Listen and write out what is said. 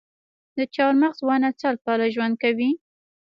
د چهارمغز ونه سل کاله ژوند کوي؟